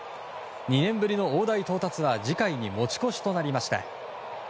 ２年ぶりの大台到達は次回に持ち越しとなりました。